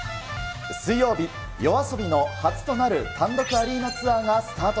水曜日、ＹＯＡＳＯＢＩの初となる単独アリーナツアーがスタート